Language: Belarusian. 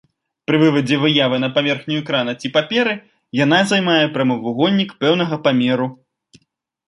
Пры вывадзе выявы на паверхню экрана ці паперы яна займае прамавугольнік пэўнага памеру.